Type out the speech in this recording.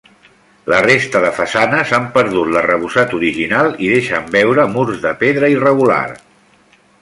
La resta de façanes han perdut l'arrebossat original i deixen veure murs de pedra irregular.